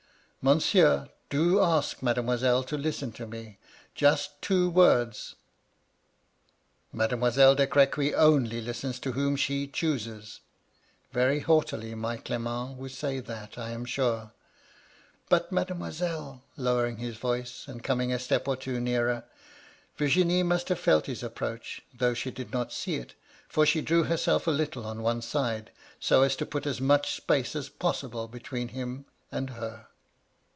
^^* Monsieur, do ask Mademoiselle to listen to me, — just two words !'^^^ Mademoiselle de Crequy only listens to whom she chooses.' Very haughtily my Clement would say that, I am sure. "*But, Mademoiselle,' — flowering his voice, and coming a step or two nearer. Virginie must have felt his approach, though she did not see it ; for she drew herself a little on one side, so as to put as much space as possible between him and her.